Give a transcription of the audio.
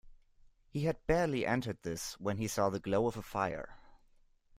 He had barely entered this when he saw the glow of a fire.